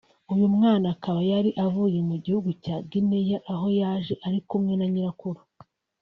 uyu mwana akaba yari avuye mu gihugu cya Guinea aho yaje ari kumwe na nyirakuru